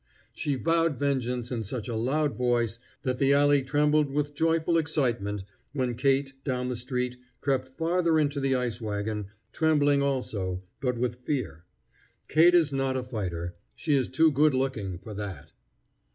She vowed vengeance in such a loud voice that the alley trembled with joyful excitement, while Kate, down the street, crept farther into the ice wagon, trembling also, but with fear. Kate is not a fighter. She is too good looking for that.